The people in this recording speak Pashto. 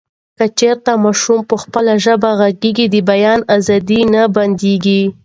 که چیري ماشوم په خپله ژبه غږېږي، د بیان ازادي یې نه بندېږي.